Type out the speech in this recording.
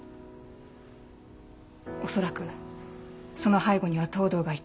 おそらくその背後には藤堂がいた。